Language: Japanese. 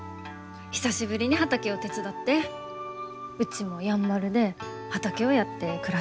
久しぶりに畑を手伝ってうちもやんばるで畑をやって暮らしたいと思った。